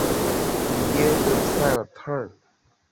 茂贞以六万兵马截击。